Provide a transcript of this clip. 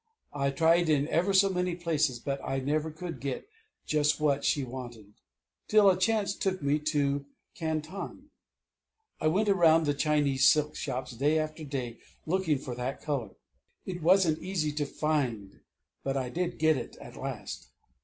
I tried in ever so many places; but I never could get just what she wanted till a chance took me to Canton. I went round the Chinese silk shops day after day, looking for that color. It wasn't easy to find; but I did get it at last.